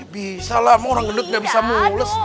bisa lah emang orang gendut gak bisa mulus